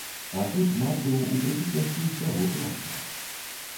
А тут мат быў у прысутнасці ўсяго класа.